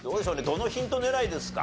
どのヒント狙いですか？